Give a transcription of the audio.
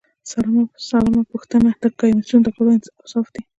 سلمه پوښتنه د کمیسیون د غړو اوصاف دي.